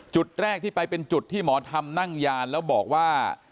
จุดแรกที่ไปเป็นจุดที่หมอทำนั่งยานแล้วบอกว่า